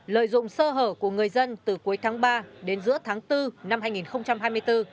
lợi dụng sơ hở của người dân từ cuối tháng ba đến giữa tháng bốn năm hai nghìn hai mươi bốn